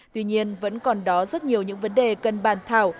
tuy nhiên vẫn còn đó rất nhiều những vấn đề cần bàn thảo